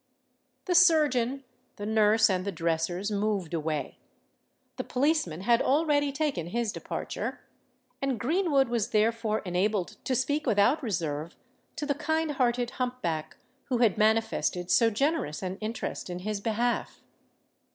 The surgeon, the nurse, and the dressers moved away: the policeman had already taken his departure; and Greenwood was therefore enabled to speak without reserve to the kind hearted hump back who had manifested so generous an interest in his behalf.